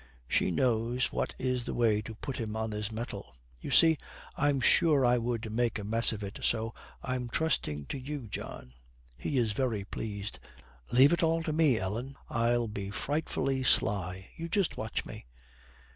She knows what is the way to put him on his mettle. 'You see, I'm sure I would make a mess of it, so I'm trusting to you, John.' He is very pleased, 'Leave it all to me, Ellen. I'll be frightfully sly. You just watch me.'